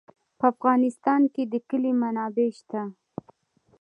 په افغانستان کې د کلي منابع شته.